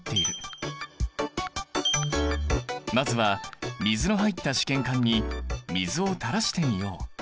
まずは水の入った試験管に水をたらしてみよう。